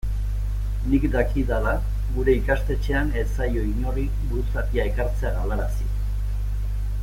Nik dakidala gure ikastetxean ez zaio inori buruzapia ekartzea galarazi.